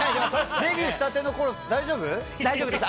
デビューしたてのころ、大丈夫です。